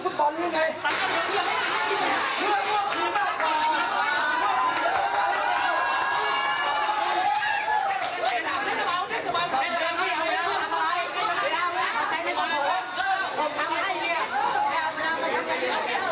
ผมทำให้เลย